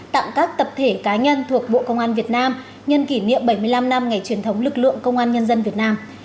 tặng các tập thể cá nhân thuộc bộ công an việt nam nhân kỷ niệm bảy mươi năm năm ngày truyền thống lực lượng công an nhân dân việt nam